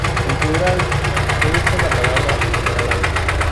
En plural se usa la palabra "salami".